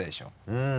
うん。